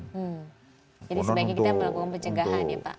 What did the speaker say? jadi sebaiknya kita berlakukan pencegahan ya pak